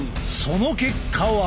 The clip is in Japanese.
その結果は。